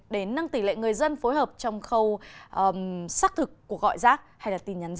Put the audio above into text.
để nâng tỷ lệ người dân phối hợp trong khâu xác thực cuộc gọi rác hay là tin nhắn rác